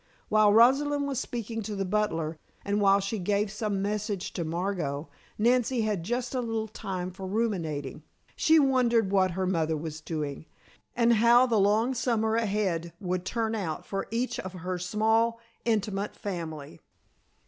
While Rosalind was speaking to the butler, and while she gave some message to Margot, Nancy had just a little time for ruminating. She wondered what her mother was doing. And how the long summer ahead would turn out for each of her small, intimate family.